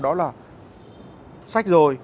đó là sách rồi